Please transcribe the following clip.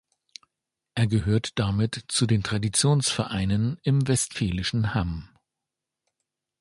Er gehört damit zu den Traditionsvereinen im westfälischen Hamm.